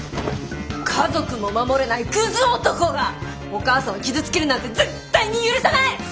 家族も守れないクズ男がお母さんを傷つけるなんて絶対に許さない！